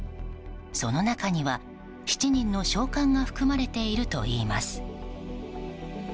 その中には７人の将官が含まれているといいます。